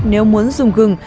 nếu muốn dùng gừng